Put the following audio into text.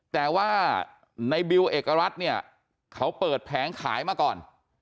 แต่ว่าในบิวเอกรัฐเนี่ยเขาเปิดแผงขายมาก่อน